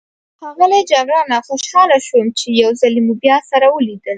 ښاغلی جګړنه، خوشحاله شوم چې یو ځلي مو بیا سره ولیدل.